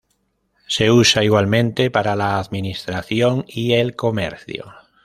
Se usa igualmente para la administración y el comercio.